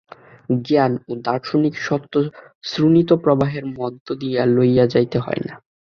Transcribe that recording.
জ্ঞান ও দার্শনিক সত্য শ্রোণিতপ্রবাহের মধ্য দিয়া লইয়া যাইতে হয় না।